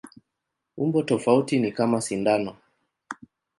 Umbo tofauti ni kama sindano.